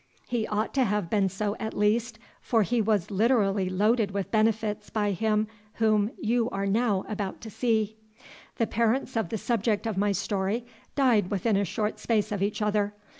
He ought to have been so at least, for he was literally loaded with benefits by him whom you are now about to see. The parents of the subject of my story died within a short space of each other.